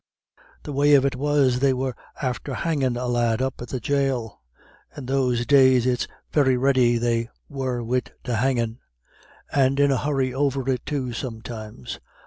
The way of it was, they were after hangin' a lad up at the jail. In those days it's very ready they were wid the hangin', and in a hurry over it too sometimes.